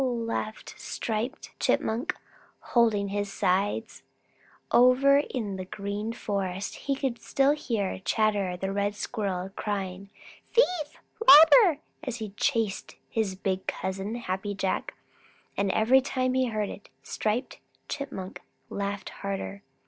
laughed Striped Chipmunk, holding his sides. Over in the Green Forest he could still hear Chatterer the Red Squirrel crying "Thief! Robber!" as he chased his big cousin, Happy Jack, and every time he heard it, Striped Chipmunk laughed harder.